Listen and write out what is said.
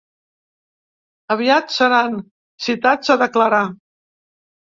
Aviat seran citats a declarar.